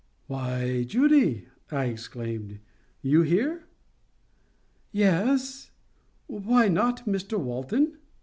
"Why, Judy!" I exclaimed, "you here?" "Yes. Why not, Mr Walton?"